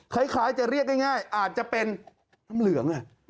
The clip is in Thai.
คล้ายจะเรียกง่ายอาจจะเป็นน้ำเหลือง